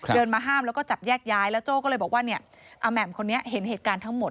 เดินมาห้ามแล้วก็จับแยกย้ายแล้วโจ้ก็เลยบอกว่าเนี่ยอาแหม่มคนนี้เห็นเหตุการณ์ทั้งหมด